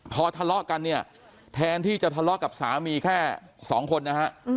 พอทะเลาะกันเนี่ยแทนที่จะทะเลาะกับสามีแค่สองคนนะฮะ